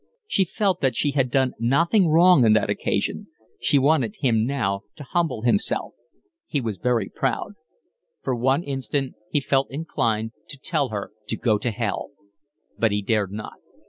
She felt that she had done nothing wrong on that occasion. She wanted him now to humble himself. He was very proud. For one instant he felt inclined to tell her to go to hell, but he dared not.